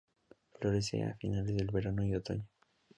Florece a finales del verano y otoño.